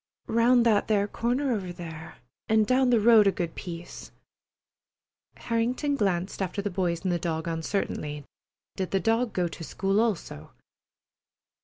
"Round that there corner over there, and down the road a good piece." Harrington glanced after the boys and the dog uncertainly. Did the dog go to school also?